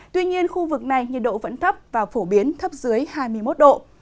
tuy nhiên khu vực này nhiệt độ vẫn thấp và phổ biến thấp dưới hai mươi một độ